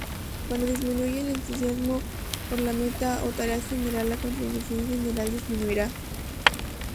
Cuando disminuye el entusiasmo por la meta o tarea general, la contribución general disminuirá.